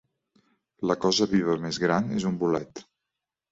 La cosa viva més gran és un bolet.